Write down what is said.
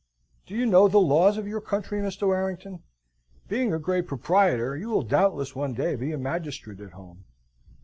Do you know the laws of your country, Mr. Warrington? Being a great proprietor, you will doubtless one day be a magistrate at home.